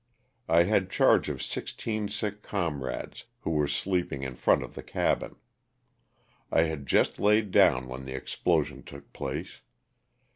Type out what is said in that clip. I had charge of sixteen sick comrades, who were sleep ing in front of the cabin. I had just laid down when the explosion took place.